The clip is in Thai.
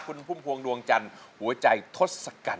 คุณพุ่มพวงดวงจันหัวใจทสกัล